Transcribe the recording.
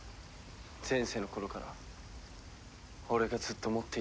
前世の頃から俺がずっと持っていたものだ。